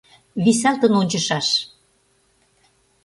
— Висалтын ончышаш.